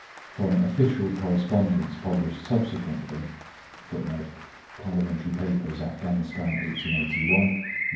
From official correspondence published subsequently [Footnote: Parliamentary Papers, Afghanistan, 1881, No.